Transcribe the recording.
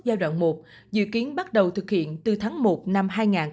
giai đoạn một dự kiến bắt đầu thực hiện từ tháng một năm hai nghìn hai mươi